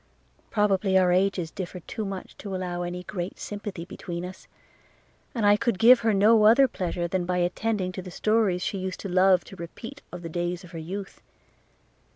– Probably our ages differed too much to allow any great sympathy between us – and I could give her no other pleasure than by attending to the stories she used to love to repeat, of the days of her youth.